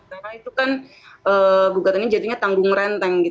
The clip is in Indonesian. karena itu kan gugatannya jadinya tanggung renteng